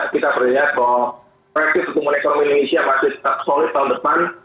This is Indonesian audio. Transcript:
kita melihat bahwa praktis pertumbuhan ekonomi indonesia masih tetap solid tahun depan